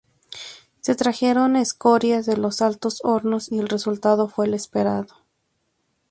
Se trajeron escorias de los altos hornos y el resultado fue el esperado.